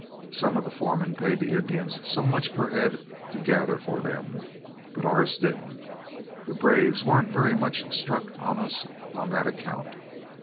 Some of the foremen paid the Indians so much per head to gather for them, but ours didn't. The braves weren't very much struck on us on that account.